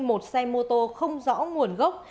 một xe mô tô không rõ nguồn gốc